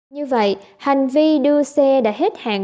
như vậy hành vi đưa xe đã hết hạn